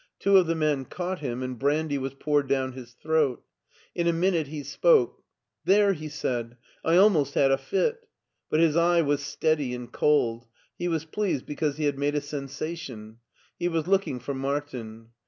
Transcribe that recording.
Two of the men Caught him, and brandy was poured down his throat. In a minute he spoke. " There," he said, I almost had a fit," but his eye was steady and cold, he was pleased because he had made a sensation; he was looking for Martin.